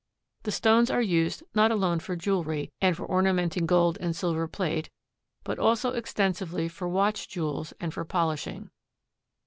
The stones are used not alone for jewelry and for ornamenting gold and silver plate, but also extensively for watch jewels and for polishing.